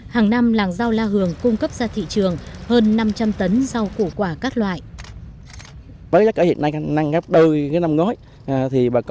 hàng năm làng rau la hường quận cẩm lệ thành phố đà nẵng lại trú trọng trồng rau cúc